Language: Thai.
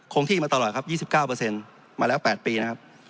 คงที่มาตลอดครับ๒๙มาแล้ว๘ปีนะครับ